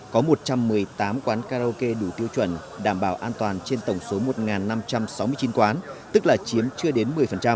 có một trăm một mươi tám quán karaoke đủ tiêu chuẩn đảm bảo an toàn trên tổng số một năm trăm sáu mươi chín quán tức là chiếm chưa đến một mươi